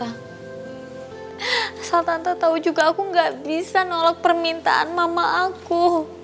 asal tante tahu juga aku nggak bisa nolak permintaan mama aku